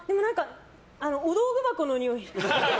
お道具箱のにおい。